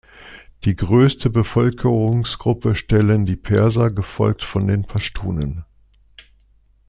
Die größte Bevölkerungsgruppe stellen die Perser, gefolgt von den Paschtunen.